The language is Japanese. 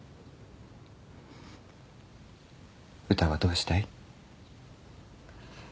うたはどうしたい？